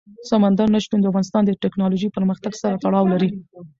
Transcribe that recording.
سمندر نه شتون د افغانستان د تکنالوژۍ پرمختګ سره تړاو لري.